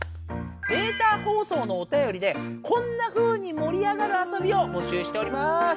データ放送のおたよりでこんなふうにもり上がるあそびをぼしゅうしております。